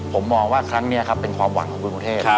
ผมมองว่าครั้งนี้ครับเป็นความหวังของคนกรุงเทพ